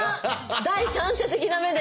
第三者的な目でええ！